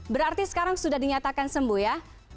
berarti sekarang sudah dinyatakan sembuh ya